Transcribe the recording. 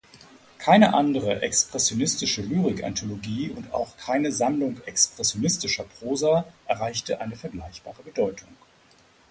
Keine andere expressionistische Lyrikanthologie und auch keine Sammlung expressionistischer Prosa erreichte eine vergleichbare Bedeutung.